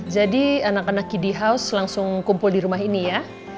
jadi anak anak kiddy house langsung kumpul di rumah ini ya